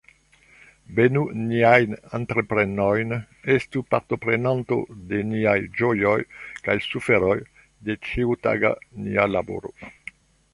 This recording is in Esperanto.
Benu niajn entreprenojn, estu partoprenanto de niaj ĝojoj kaj suferoj, de ĉiutaga nia laboro.